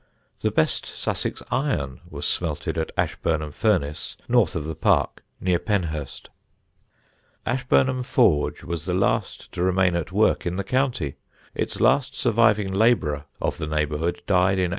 The best Sussex iron was smelted at Ashburnham Furnace, north of the park, near Penhurst. Ashburnham Forge was the last to remain at work in the county; its last surviving labourer of the neighbourhood died in 1883.